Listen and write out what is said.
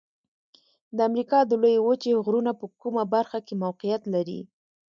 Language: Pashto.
د امریکا د لویې وچې غرونه په کومه برخه کې موقعیت لري؟